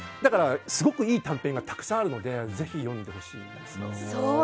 いい短編がたくさんあるのでぜひ読んでほしいですね。